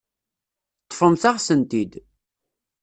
Ṭṭfemt-aɣ-tent-id.